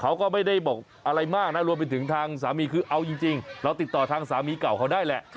เขาก็ไม่ได้บอกอะไรมากนะรวมไปถึงทางสามีคือเอาจริงเราติดต่อทางสามีเก่าเขาได้แหละ